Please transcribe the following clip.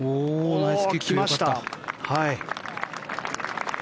来ました。